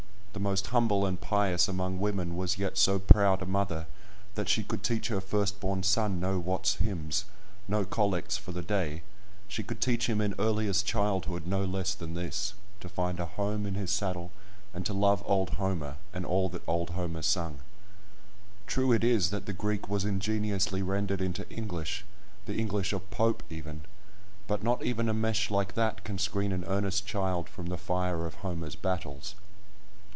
The most humble and pious among women was yet so proud a mother that she could teach her firstborn son no Watts' hymns, no collects for the day; she could teach him in earliest childhood no less than this, to find a home in his saddle, and to love old Homer, and all that old Homer sung. True it is, that the Greek was ingeniously rendered into English, the English of Pope even, but not even a mesh like that can screen an earnest child from the fire of Homer's battles.